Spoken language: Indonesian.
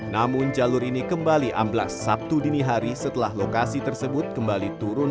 namun jalur ini kembali amblas sabtu dini hari setelah lokasi tersebut kembali turun